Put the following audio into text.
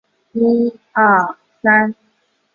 为此他被提名艾美奖。